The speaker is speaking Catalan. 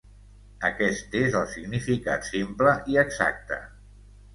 Aquest és el significat simple i exacte.